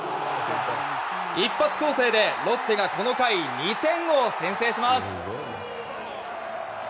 一発攻勢でロッテがこの回、２点を先制します。